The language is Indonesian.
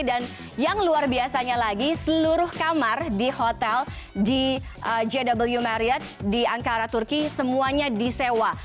dan yang luar biasanya lagi seluruh kamar di hotel di jw marriott di ankara turki semuanya disewa